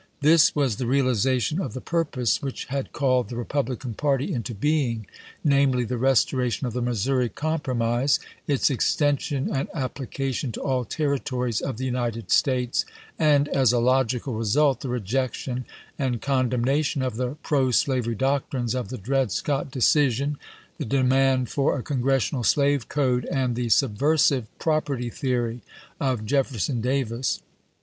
This was the realization of the purpose which had called the Republican party into being, namely, the restoration of the Missouii Compromise, its extension and application to all Territories of the United States, and, as a logical result, the rejection and condemnation of the pro slavery doctrines of the Dred Scott decision, the demand for a Congressional slave code, and the subversive " property theory " of Jefferson Davis.